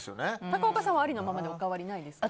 高岡さんはありのままでお変わりないですか？